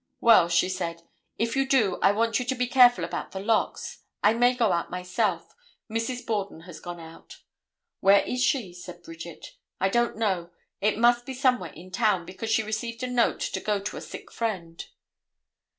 "Well," she said, "if you do I want you to be careful about the locks; I may go out myself. Mrs. Borden has gone out." "Where is she?" said Bridget. "I don't know; it must be somewhere in town, because she received a note to go to a sick friend."